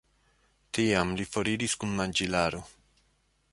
Tiam li foriris kun manĝilaro.